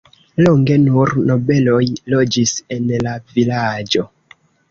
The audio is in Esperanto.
Longe nur nobeloj loĝis en la vilaĝo.